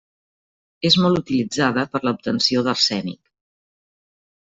És molt utilitzada per a l'obtenció d'arsènic.